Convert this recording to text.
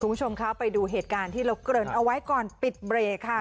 คุณผู้ชมคะไปดูเหตุการณ์ที่เราเกริ่นเอาไว้ก่อนปิดเบรกค่ะ